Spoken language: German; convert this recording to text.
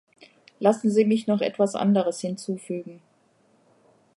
Lassen Sie mich noch etwas anderes hinzufügen.